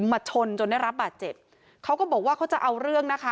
มาชนจนได้รับบาดเจ็บเขาก็บอกว่าเขาจะเอาเรื่องนะคะ